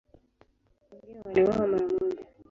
Wengine waliuawa mara moja.